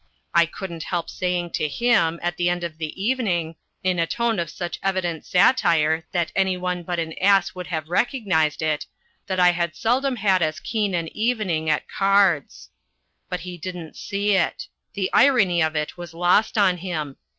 I couldn't help saying to him, at the end of the evening, in a tone of such evident satire that anyone but an ass would have recognised it, that I had seldom had as keen an evening at cards. But he didn't see it. The irony of it was lost on him.